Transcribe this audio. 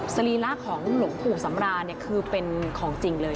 ศรีราของหลวงภูมิสำราคือเป็นของจริงเลยใช่ไหม